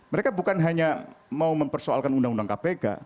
mereka bukan hanya mau mempersoalkan undang undang kpk